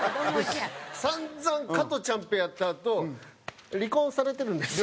散々「加トちゃんペッ」やったあと「離婚されてるんですよね？」。